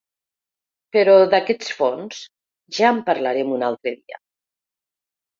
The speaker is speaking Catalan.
Però d’aquest fons ja en parlarem un altre dia.